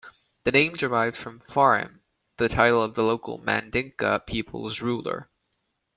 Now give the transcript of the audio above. The name derived from "farim", the title of the local Mandinka people's ruler.